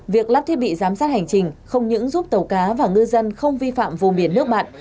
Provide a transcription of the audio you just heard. việc lắp thiết bị giám sát hành trình không những giúp tàu cá và ngư dân không vi phạm vùng biển nước bạn